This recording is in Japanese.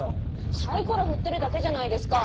サイコロ振ってるだけじゃないですかー。